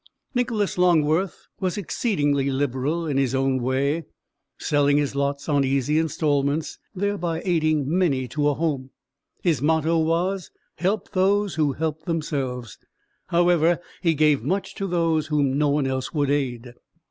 Nicholas Longworth was exceedingly liberal in his own way selling his lots on easy installments, thereby aiding many to a home. His motto was, "Help those who help themselves," however, he gave much to those whom no one else would aid.